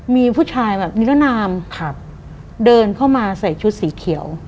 มีผู้ชายแบบนิรนามครับเดินเข้ามาใส่ชุดสีเขียว